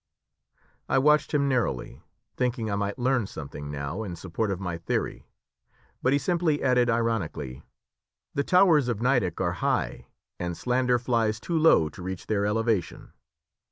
I watched him narrowly, thinking I might learn something now in support of my theory, but he simply added ironically "The towers of Nideck are high, and slander flies too low to reach their elevation!"